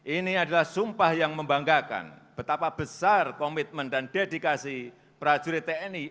ini adalah sumpah yang membanggakan betapa besar komitmen dan dedikasi prajurit tni